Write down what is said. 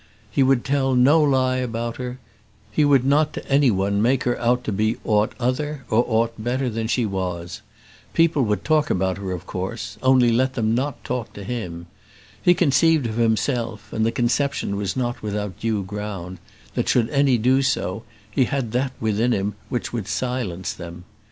He would tell no lie about her; he would not to any one make her out to be aught other or aught better than she was; people would talk about her of course, only let them not talk to him; he conceived of himself and the conception was not without due ground that should any do so, he had that within him which would silence them.